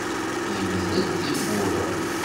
Yemdel tiwwura.